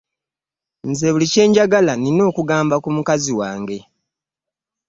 Nze buli kye njagala nina okugamba ku mukazi wange.